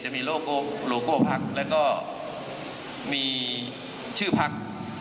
โลโก้พักแล้วก็มีชื่อพัก